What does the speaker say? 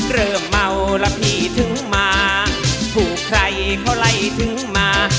เริ่มเมาแล้วพี่ถึงมาถูกใครเพราะไล่ถึงมา